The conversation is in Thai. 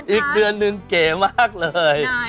อีกเดือนหนึ่งเก๋มากเลย